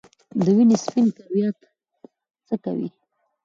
د وینې سپین کرویات څه کوي؟